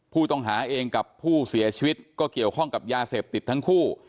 ผู้ต้องหาเองกับผู้เสียชีวิตก็เกี่ยวข้องกับยาเสพติดทั้งคู่